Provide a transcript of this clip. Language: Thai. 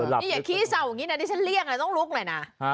นี่อย่าขี้เศร้าอย่างงี้นะนี่ฉันเลี่ยงเลยต้องลุกหน่อยน่ะ